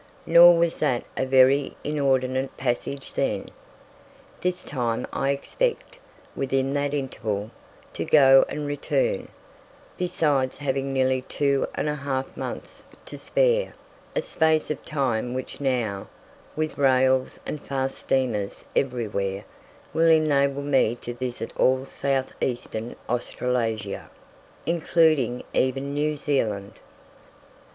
Nor was that a very inordinate passage then. This time I expect, within that interval, to go and return, besides having nearly two and a half months to spare a space of time which now, with rails and fast steamers everywhere, will enable me to visit all South Eastern Australasia, including even New Zealand.